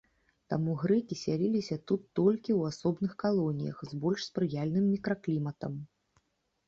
Таму грэкі сяліліся тут толькі ў асобных калоніях з больш спрыяльным мікракліматам.